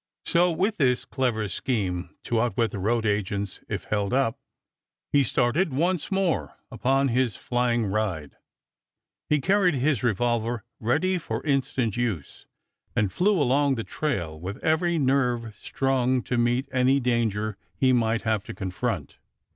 So with this clever scheme to outwit the road agents, if held up, he started once more upon his flying ride. He carried his revolver ready for instant use and flew along the trail with every nerve strung to meet any danger he might have to confront.